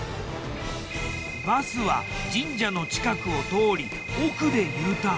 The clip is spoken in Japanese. バスは神社の近くを通り奥でＵターン。